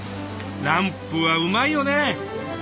ランプはうまいよね。